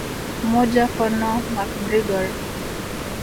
MojaConor McGregor